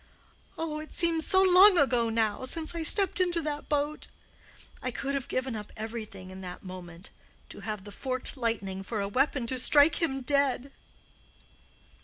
Oh, it seems so long ago now since I stepped into that boat! I could have given up everything in that moment, to have the forked lightning for a weapon to strike him dead."